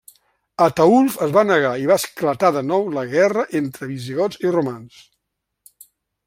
Ataülf es va negar i va esclatar de nou la guerra entre visigots i romans.